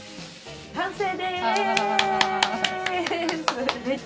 完成です！